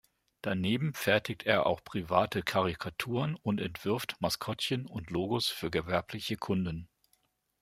Daneben fertigt er auch private Karikaturen und entwirft Maskottchen und Logos für gewerbliche Kunden.